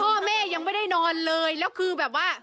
พ่อแม่ยังไม่ได้นอนเลยแล้วคือแบบว่า